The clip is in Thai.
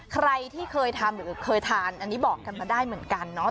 ใครที่เคยทำหรือเคยทานอันนี้บอกกันมาได้เหมือนกันเนาะ